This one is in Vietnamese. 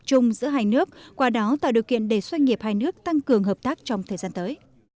chung giữa hai nước qua đó tạo điều kiện để doanh nghiệp hai nước tăng cường hợp tác trong thời gian tới